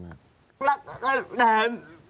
แล้วก็กระแทน